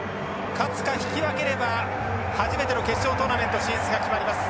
勝つか引き分ければ初めての決勝トーナメント進出が決まります。